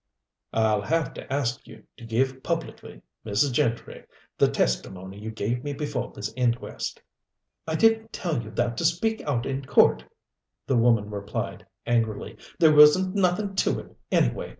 "I'll have to ask you to give publicly, Mrs. Gentry, the testimony you gave me before this inquest." "I didn't tell you that to speak out in court," the woman replied, angrily. "There wasn't nothin' to it, anyway.